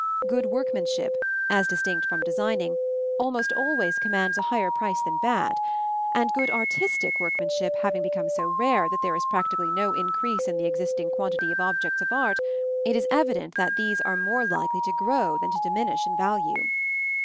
Good workmanship, as distinct from designing, almost always commands a higher price than bad; and good artistic workmanship having become so rare that there is practically no increase in the existing quantity of objects of art, it is evident that these are more likely to grow than to diminish in value.